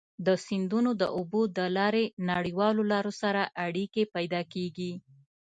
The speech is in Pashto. د سیندونو د اوبو له لارې نړیوالو لارو سره اړيکي پيدا کیږي.